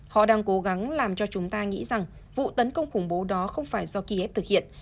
họ đang cố gắng làm cho chúng ta nghĩ rằng vụ tấn công khủng bố đó không phải do kiev thực hiện